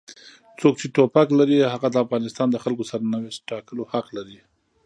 څوک چې ټوپک لري هغه د افغانستان د خلکو د سرنوشت ټاکلو حق لري.